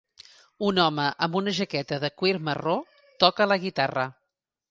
Un home amb una jaqueta de cuir marró toca la guitarra